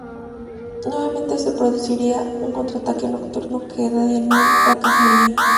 Nuevamente se produciría un contraataque nocturno, que de nuevo fracasaría.